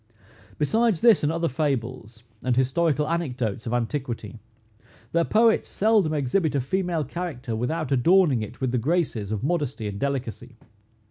Besides this, and other fables, and historical anecdotes of antiquity, their poets seldom exhibit a female character without adorning it with the graces of modesty and delicacy.